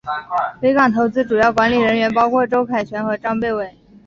维港投资主要管理人员包括周凯旋和张培薇。